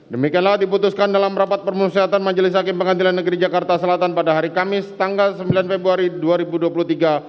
demikianlah diputuskan dalam rapat permusyatan majelis hakim pengadilan negeri jakarta selatan pada hari kamis tanggal sembilan februari dua ribu dua puluh tiga